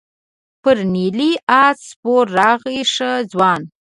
پر نیلي آس سپره راغلې ښه ځوانه.